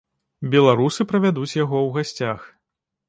Беларусы правядуць яго ў гасцях.